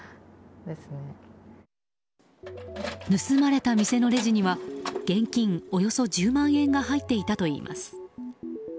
盗まれた店のレジには現金およそ１０万円が入っていたといいます。